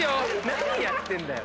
何やってんだよ？